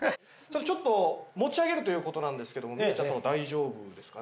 ちょっと持ち上げるという事なんですけどもみえちゃんさんは大丈夫ですかね？